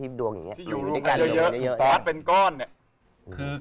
ที่ดวงอย่างเงี้ย